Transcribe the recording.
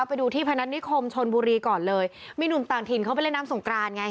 ไปดูที่พนัฐนิคมชนบุรีก่อนเลยมีหนุ่มต่างถิ่นเขาไปเล่นน้ำสงกรานไง